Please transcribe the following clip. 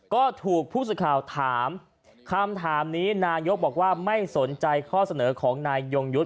ก็ถูกผู้สื่อข่าวถามคำถามนี้นายกบอกว่าไม่สนใจข้อเสนอของนายยงยุทธ์